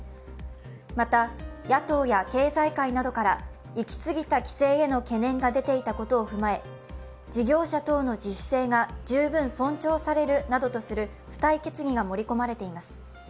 また野党や経済界などからいきすぎた規制への懸念が出ていたことを踏まえ事業者等の自主性が十分尊重されるなどとする付帯決議が盛り込まれています。